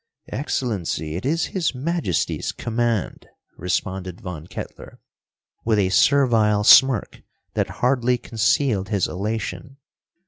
"Excellency, it is His Majesty's command," responded Von Kettler, with a servile smirk that hardly concealed his elation.